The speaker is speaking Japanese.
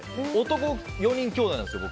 男４人兄弟なんですよ